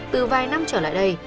từ vài năm trở lại đây